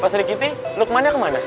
pak srikiti lukmannya kemana